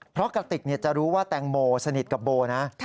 เพราะกระติกจะรู้ว่าแตงโมสนิทกับโบนะ